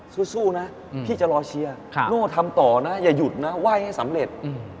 สู้นะพี่จะรอเชียร์โน่ทำต่อนะอย่าหยุดนะไหว้ให้สำเร็จ